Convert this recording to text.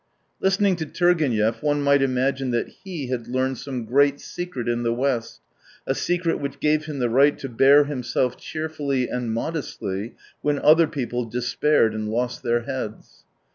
Listening to Turgenev one might imagine that he had learned some great secret in the West, a secret which gave him the right to bear himself cheerfully and modestly when other people despaired and lost their heads.